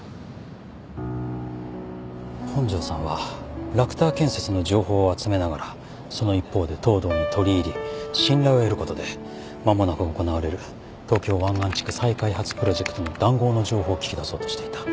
本庄さんはラクター建設の情報を集めながらその一方で藤堂に取り入り信頼を得ることで間もなく行われる東京湾岸地区再開発プロジェクトの談合の情報を聞き出そうとしていた。